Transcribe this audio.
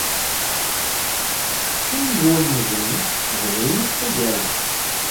Tinegwa n lebni ɣlayit tagara-a.